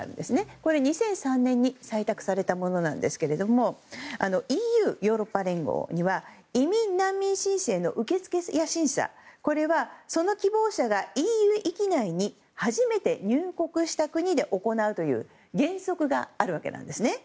これは２００３年に採択されたものなんですけどもＥＵ・ヨーロッパ連合には移民・難民申請の受け付けや審査はその希望者がＥＵ域内に初めて入国した国で行うという原則があるんです。